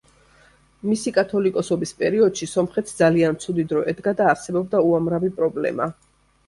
მისი კათოლიკოსობის პერიოდში სომხეთს ძალიან ცუდი დრო ედგა და არსებობდა უამრავი პრობლემა.